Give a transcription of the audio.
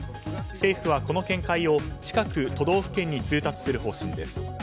政府はこの件を近く都道府県に通達する方針です。